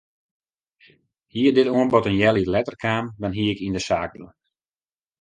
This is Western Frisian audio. Hie dit oanbod in healjier letter kaam dan hie ik yn de saak bleaun.